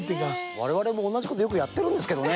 我々も同じことよくやってるんですけどね。